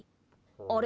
あれ？